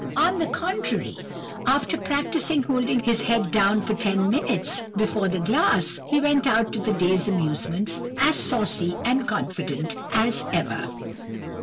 "On the contrary, after practising holding his head down for ten minutes before the glass, he went out to the day's amusements, as saucy and confident as ever.